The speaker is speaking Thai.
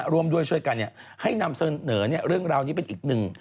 ร่วมด้วยช่วยกันให้นำเสนอเรื่องราวนี้เป็นอีกหนึ่ง